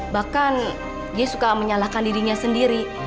bahkan dia suka menyalahkan dirinya sendiri